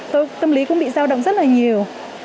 tôi tâm lý cũng bị giao động rất là nhiều